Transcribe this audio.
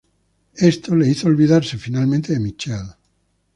Esto le hizo olvidarse finalmente de Michelle.